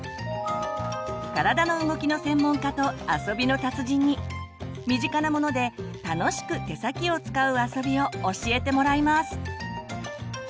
体の動きの専門家と遊びの達人に身近なもので楽しく手先を使う遊びを教えてもらいます！